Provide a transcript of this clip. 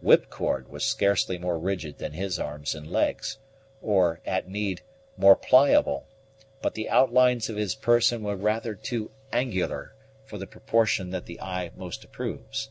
Whipcord was scarcely more rigid than his arms and legs, or, at need, more pliable; but the outlines of his person were rather too angular for the proportion that the eye most approves.